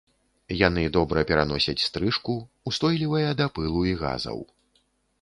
Яны добра пераносяць стрыжку, устойлівыя да пылу і газаў.